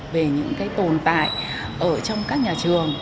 về những cái tồn tại ở trong các nhà trường